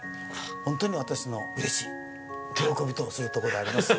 ホントに私の嬉しい喜びとするところであります。